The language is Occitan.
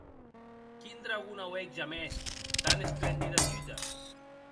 Quin dragon auec jamès tant esplendida tuta?